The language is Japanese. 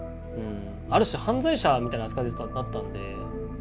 ある種犯罪者みたいな扱いだったんで。